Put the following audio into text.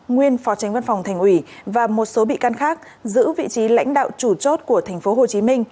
nguyên phó tránh văn phòng thành ủy và một số bị can khác giữ vị trí lãnh đạo chủ chốt của tp hcm